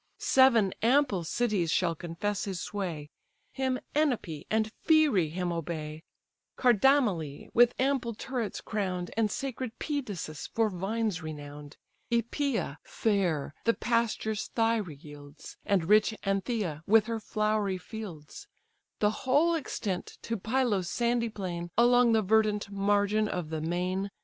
Seven ample cities shall confess his sway, Him Enope, and Pheræ him obey, Cardamyle with ample turrets crown'd, And sacred Pedasus for vines renown'd; Æpea fair, the pastures Hira yields, And rich Antheia with her flowery fields: The whole extent to Pylos' sandy plain, Along the verdant margin of the main.